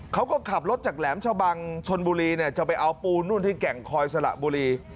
เขาก็ขับรถจากแหลมชะบังชนบุรีจะไปเอาปูนู่นที่แก่งคอยสระบุรี